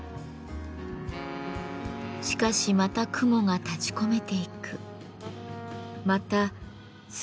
しかしまた雲が立ちこめていく。